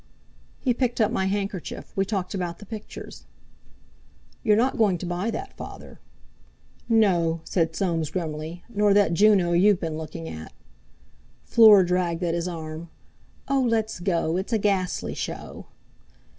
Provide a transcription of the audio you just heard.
"He picked up my handkerchief. We talked about the pictures." "You're not going to buy that, Father?" "No," said Soames grimly; "nor that Juno you've been looking at." Fleur dragged at his arm. "Oh! Let's go! It's a ghastly show."